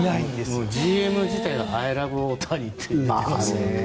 ＧＭがアイ・ラブ・オオタニって言ってますよね。